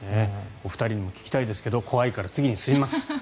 お二人にも聞きたいですが怖いから次に進みます。